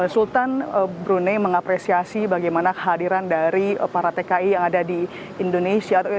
sultan brunei mengapresiasi bagaimana kehadiran dari para tki yang ada di indonesia